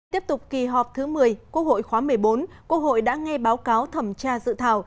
tiếp tục kỳ họp thứ một mươi quốc hội khóa một mươi bốn quốc hội đã nghe báo cáo thẩm tra dự thảo